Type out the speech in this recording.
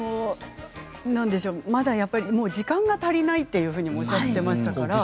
時間が足りないというふうにおっしゃっていましたね。